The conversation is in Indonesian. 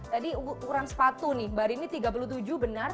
tadi ukuran sepatu nih mbak rini tiga puluh tujuh benar